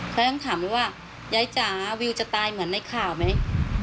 เขายังถามเลยว่ายายจ๋าวิวจะตายเหมือนในข่าวไหม